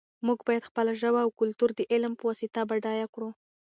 موږ باید خپله ژبه او کلتور د علم په واسطه بډایه کړو.